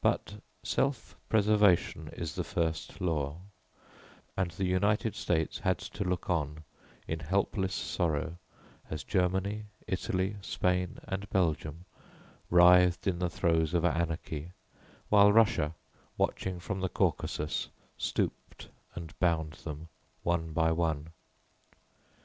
But self preservation is the first law, and the United States had to look on in helpless sorrow as Germany, Italy, Spain and Belgium writhed in the throes of Anarchy, while Russia, watching from the Caucasus, stooped and bound them one by one.